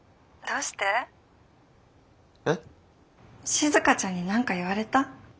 静ちゃんに何か言われた？